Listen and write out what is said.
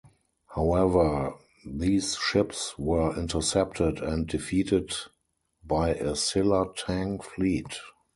However, these ships were intercepted and defeated by a Silla-Tang fleet.